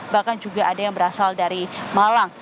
bahkan juga ada yang berasal dari malang